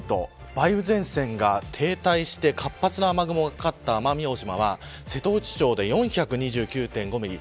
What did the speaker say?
梅雨前線が停滞して活発な雨雲がかかった奄美大島は瀬戸内町で４２９．５ミリ。